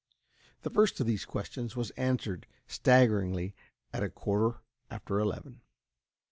The first of these questions was answered, staggeringly, at a quarter after eleven.